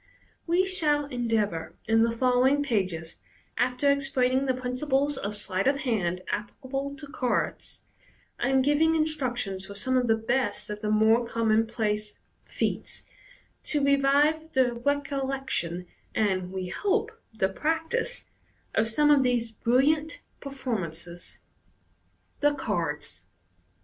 We shall endeavour in the follow ing pages, after explaining the principles of sleight of hand applicable to cards, and giving instructions for some of the best of the more commonplace feats, to revive the recollection — and, we hope, the practice — of some of these biilliant performances. The Cards.